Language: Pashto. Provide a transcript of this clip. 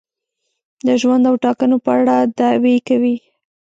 د ژوند او ټاکنو په اړه دعوې کوي.